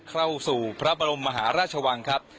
เข้าสู่พระบรมมหาราชวังครับ